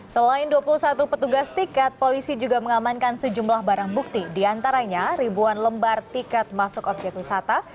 selain dua puluh satu petugas tiket polisi juga mengamankan sejumlah barang bukti diantaranya ribuan lembar tiket masuk objek wisata